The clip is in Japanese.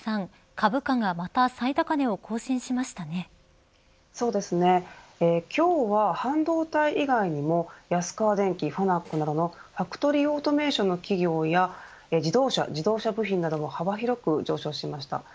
株価がまた今日は半導体以外にも安川電機、ファナックなどのファクトリーオートメーションの企業や自動車、自動車部品なども幅広く上昇しました。